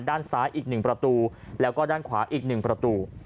ด้านซ้ายอีก๑ประตูแล้วก็ด้านขวาอีก๑ประตู